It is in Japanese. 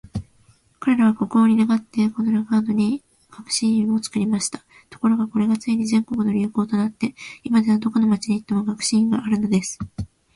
彼等は国王に願って、このラガードに学士院を作りました。ところが、これがついに全国の流行となって、今では、どこの町に行っても学士院があるのです。